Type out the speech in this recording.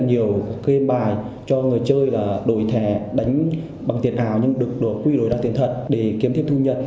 nhiều game bài cho người chơi là đổi thẻ đánh bằng tiền ảo nhưng được quy đổi ra tiền thật để kiếm thêm thu nhận